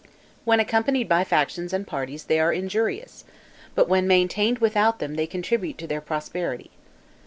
When accompanied by factions and parties they are injurious; but when maintained without them they contribute to their prosperity.